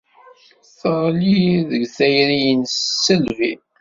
Teɣli deg tayri-nnes s tisselbi.